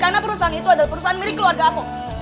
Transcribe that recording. karena perusahaan itu adalah perusahaan milik keluarga aku